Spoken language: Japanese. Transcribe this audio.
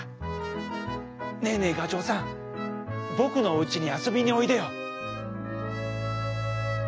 ねえねえがちょうさんぼくのおうちにあそびにおいでよ！」。